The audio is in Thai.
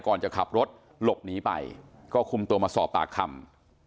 ก่อนจะขับรถหลบหนีไปก็คุมตัวมาสอบปากคำ